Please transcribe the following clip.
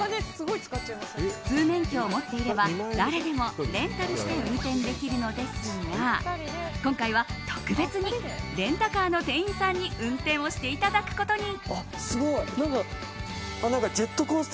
普通免許を持っていれば誰でもレンタルして運転できるのですが今回は特別にレンタカーの店員さんに運転をしていただくことに。